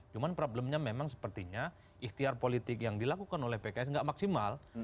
cuma problemnya memang sepertinya ikhtiar politik yang dilakukan oleh pks tidak maksimal